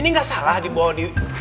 ini gak salah dibawa